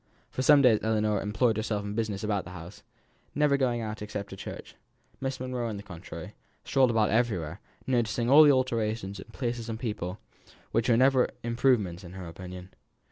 For some days Ellinor employed herself in business in the house, never going out except to church. Miss Monro, on the contrary, strolled about everywhere, noticing all the alterations in place and people, which were never improvements in her opinion.